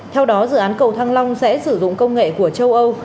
theo đó dự án cầu thăng long sẽ sử dụng công nghệ của châu âu